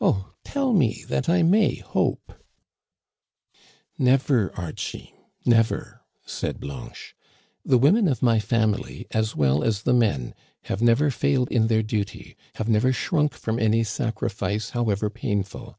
Oh, tell me that I may hope !"" Never, Archie, never," said Blanche. The women of my family, as well as the men, have never failed in their duty — have never shrunk from any sacrifice, how ever painful.